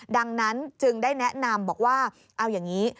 ดังนั้นจึงได้แนะนำบอกว่าเอาอย่างนี้